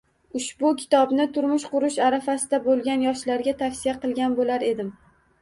Ushbu kitobni turmush qurish arafasida turgan yoshlarga tavsiya qilgan boʻlar edim.